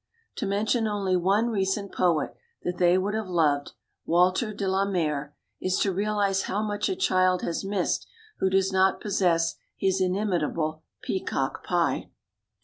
To mention only one recent poet that they would have loved, Walter de la Mare, is to realize how much a child has missed who does not possess his inimitable "Peacock Pie."